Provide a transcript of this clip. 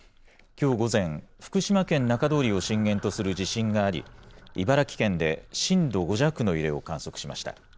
きょう午前、福島県中通りを震源とする地震があり、茨城県で震度５弱の揺れを観測しました。